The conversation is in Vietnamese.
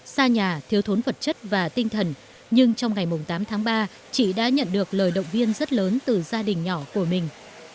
xa nhà thiếu thốn vật chất và tinh thần nhưng trong ngày tám tháng ba chị đã nhận được lời động viên rất lớn từ gia đình nhỏ của mình